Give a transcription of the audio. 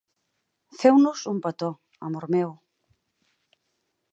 Feu-nos un petó, amor meu.